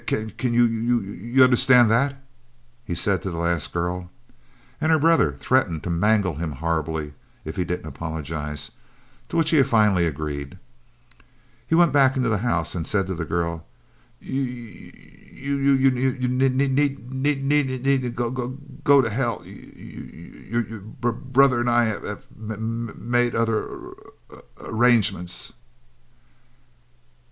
C c c can y y you understand that?' he said to the last girl, and her brother threatened to mangle him horribly if he didn't apologize, to which he finally agreed. He went back into the house and said to the girl, 'Y y you n n n needn't g g g go to hell; y y your b b b brother and I have m m made other 'r r r rangements.'"